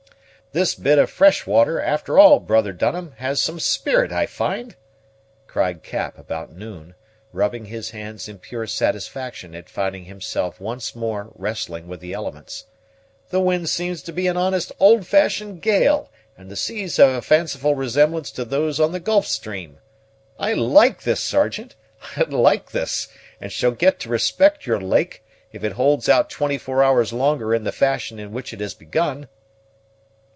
"This bit of fresh water, after all, brother Dunham, has some spirit, I find," cried Cap about noon, rubbing his hands in pure satisfaction at finding himself once more wrestling with the elements. "The wind seems to be an honest old fashioned gale, and the seas have a fanciful resemblance to those of the Gulf Stream. I like this, Sergeant, I like this, and shall get to respect your lake, if it hold out twenty four hours longer in the fashion in which it has begun."